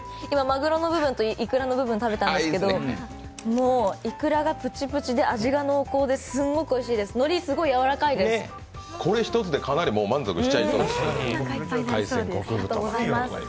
今、まぐろの部分といくらの部分食べたんですけど、もう、いくらがプチプチで味が濃厚で、すごくおいしいです。